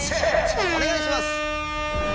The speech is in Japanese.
おねがいします！